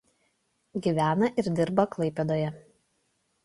Gyvena ir dirba Klaipėdoje.